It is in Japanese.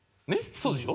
そうでしょ？